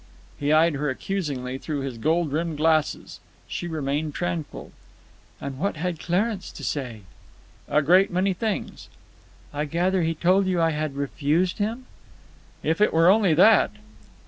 He eyed her accusingly through his gold rimmed glasses. She remained tranquil. "And what had Clarence to say?" "A great many things." "I gather he told you I had refused him." "If it were only that!"